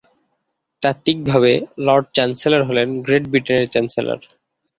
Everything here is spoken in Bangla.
তাত্ত্বিকভাবে, লর্ড চ্যান্সেলর হলেন গ্রেট ব্রিটেনের চ্যান্সেলর।